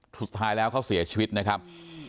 สุดท้ายแล้วเขาเสียชีวิตนะครับ